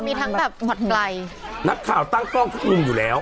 มีทั้งแบบหวัดไกลนักข่าวตั้งกล้องทุกมุมอยู่แล้ว